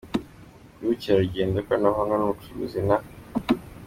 y’Ubukerarugendo, ikoranabuhanga n’ubucuruzi na